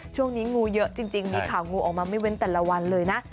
ช่วงนี้งูเยอะจริงมีข่าวงูออกมาไม่เว้นแต่ละวันเลยนะ